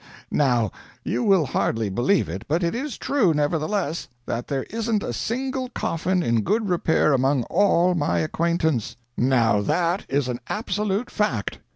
"Now, you will hardly believe it, but it is true, nevertheless, that there isn't a single coffin in good repair among all my acquaintance now that is an absolute fact.